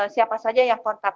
siapa saja yang kontak